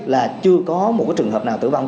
là chưa có một trường hợp nào tử vong